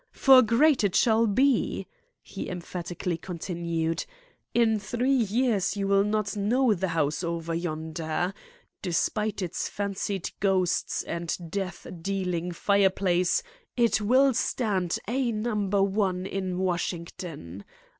For great it shall be," he emphatically continued. "In three years you will not know the house over yonder. Despite its fancied ghosts and death dealing fireplace, it will stand A Number One in Washington.